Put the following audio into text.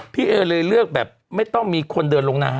พี่เอเลยเลือกแบบไม่ต้องมีคนเดินลงนะฮะ